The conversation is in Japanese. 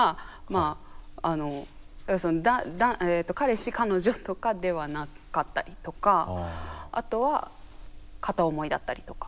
あの彼氏彼女とかではなかったりとかあとは片思いだったりとか。